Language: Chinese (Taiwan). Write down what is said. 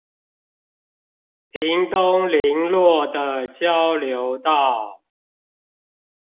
屏東麟洛的交流道